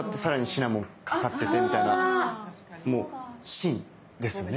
もう心ですよね。